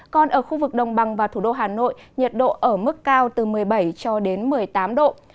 còn ở khu vực đồng bằng và thủ đô hà nội nhiệt độ ở mức cao từ một mươi bảy cho đến một mươi tám độ